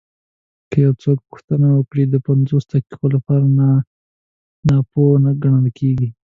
که یو څوک پوښتنه وکړي د پنځو دقیقو لپاره ناپوه ګڼل کېږي.